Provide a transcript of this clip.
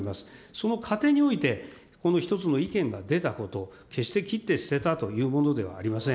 その過程において、この一つの意見が出たこと、決して切って捨てたというものではありません。